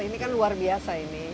ini kan luar biasa ini